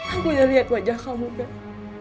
aku udah lihat wajah kamu kat